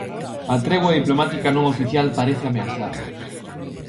A tregua diplomática non oficial parece ameazada...